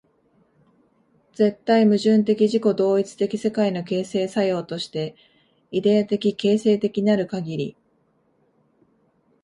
絶対矛盾的自己同一的世界の形成作用として、イデヤ的形成的なるかぎり、